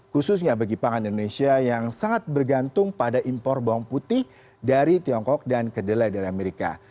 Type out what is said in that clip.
khususnya bagi pangan indonesia yang sangat bergantung pada impor bawang putih dari tiongkok dan kedelai dari amerika